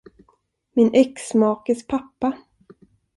Min exmakes pappa.